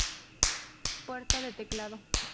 Puerto de teclado.